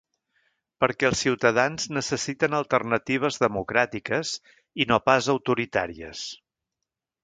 Perquè els ciutadans necessiten alternatives democràtiques i no pas autoritàries.